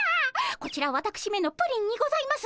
こちらわたくしめのプリンにございます。